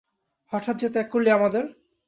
হঠাৎ যে ত্যাগ করলি আমাদের?